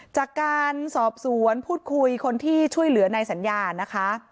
จากการสอบสวนพูดคุยคนที่ช่วยเหลือในสัญญานะคะ